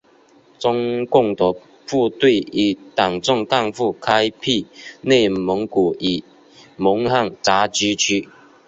中共的部队与党政干部开辟内蒙古与蒙汉杂居区。